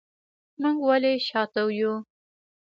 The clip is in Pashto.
موږ ولې شاته یو؟